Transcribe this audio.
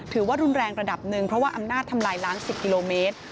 ถือว่ารุนแรงระดับหนึ่งเพราะว่าอำนาจทำลายล้าง๑๐กิโลเมตร